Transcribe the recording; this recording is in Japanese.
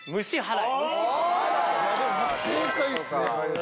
まぁ正解っすね。